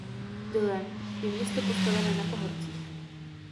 Durham je město postavené na pahorcích.